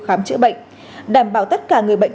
khám chữa bệnh đảm bảo tất cả người bệnh